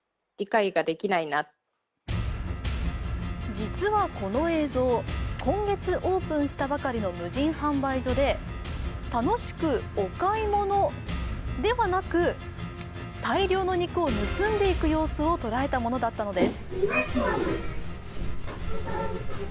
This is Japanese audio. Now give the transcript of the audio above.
実は、この映像、今月オープンしたばかりの無人販売所で楽しくお買い物ではなく大量の肉を盗んでいく様子を捉えたものだったのです。